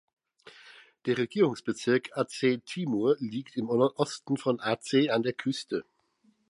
Der Regierungsbezirk Aceh Timur liegt im Nordosten von Aceh an der Küste.